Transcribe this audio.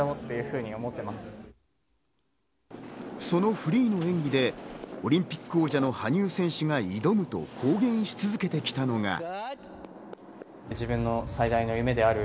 そのフリーの演技でオリンピック王者の羽生選手が挑むと公言し続けてきたのが。